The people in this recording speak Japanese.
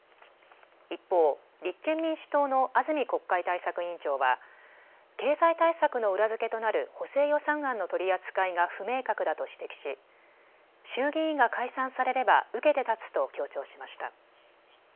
一方、立憲民主党の安住国会対策委員長は経済対策の裏付けとなる補正予算案の取り扱いが不明確だと指摘し衆議院が解散されれば受けて立つと強調しました。